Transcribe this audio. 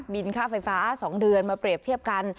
ค่าไฟฟ้า๒เดือนมาเปรียบเทียบกัน